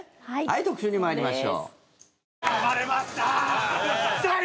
特集に参りましょう。